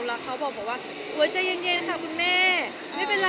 แล้วพูดไหนกับเรานะคะ